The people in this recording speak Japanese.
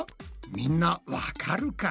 みんなわかるか？